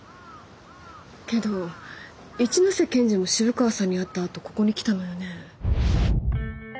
けど一ノ瀬検事も渋川さんに会ったあとここに来たのよね。